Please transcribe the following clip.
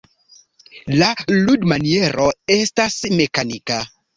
La ludmaniero estas mekanika.